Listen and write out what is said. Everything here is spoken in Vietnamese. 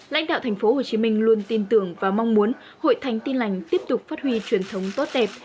lãnh đạo tp hcm luôn tin tưởng và mong muốn hội thánh tin lành tiếp tục phát huy truyền thống tốt đẹp